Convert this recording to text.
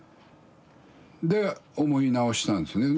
で思い直したんですよね。